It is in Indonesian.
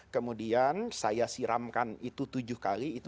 kemudian saya siramkan itu tujuh kali